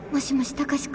貴司君。